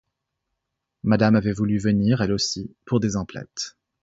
Madame avait voulu venir, elle aussi, pour des emplettes.